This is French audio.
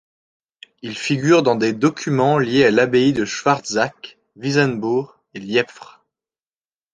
Il figure dans des documents liés à l'abbaye de Schwarzach, Wissenbourg et Lièpvre.